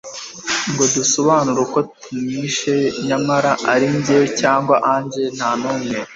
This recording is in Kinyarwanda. ngo dusobanure uko tumwishe nyamara arinjye cyangwa angel nta numwe